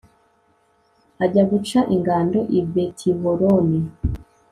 ajya guca ingando i betihoroni